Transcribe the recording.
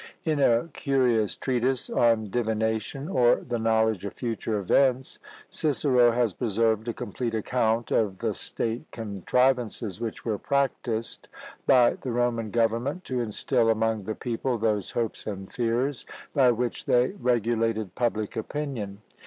In a curious treatise on "Divination," or the knowledge of future events, Cicero has preserved a complete account of the state contrivances which were practised by the Roman government to instil among the people those hopes and fears by which they regulated public opinion.